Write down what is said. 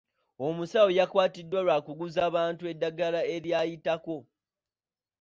Omusawo yakwatiddwa lwa kuguza bantu eddagala eryayitako.